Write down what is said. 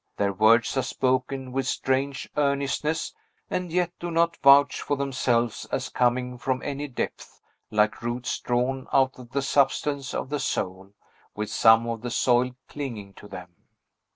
Their words are spoken with strange earnestness, and yet do not vouch for themselves as coming from any depth, like roots drawn out of the substance of the soul, with some of the soil clinging to them.